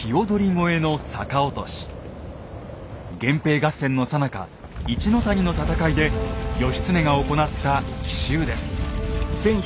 源平合戦のさなか一の谷の戦いで義経が行った奇襲です。